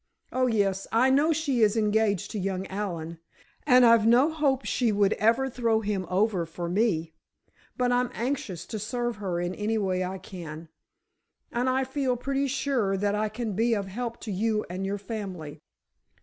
Oh, yes, I know she is engaged to young Allen, and I've no hope she would ever throw him over for me, but I'm anxious to serve her in any way I can—and I feel pretty sure that I can be of help to you and your family."